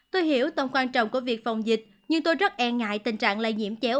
tôi hiểu tầm quan trọng của việc phòng dịch nhưng tôi rất e ngại tình trạng lây nhiễm chéo